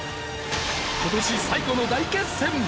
今年最後の大決戦！